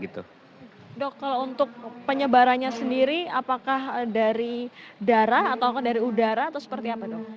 dok kalau untuk penyebarannya sendiri apakah dari darah atau dari udara atau seperti apa dok